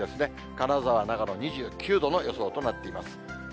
金沢、長野、２９度の予想となっています。